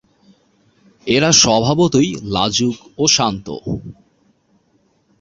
এরা স্বভাবতই লাজুক ও শান্ত।